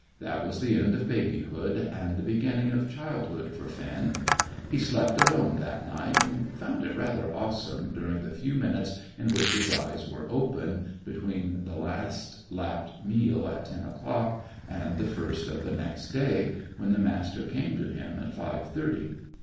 That was the end of babyhood, and the beginning of childhood for Finn. He slept alone that night, and found it rather awesome during the few minutes in which his eyes were open, between the last lapped meal at ten o'clock and the first of the next day, when the Master came to him at five thirty.